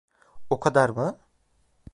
O kadar mı?